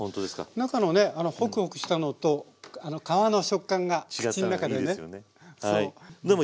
中のねホクホクしたのと皮の食感が口の中でね。